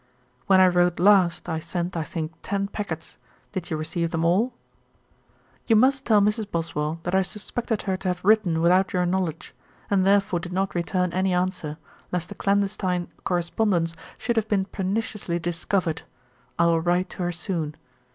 'When I wrote last, I sent, I think, ten packets. Did you receive them all? 'You must tell Mrs. Boswell that I suspected her to have written without your knowledge, and therefore did not return any answer, lest a clandestine correspondence should have been perniciously discovered. I will write to her soon.